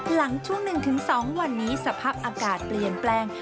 หลังช่วง๑๒วันนี้สภาพอากาศเปลี่ยนแปลง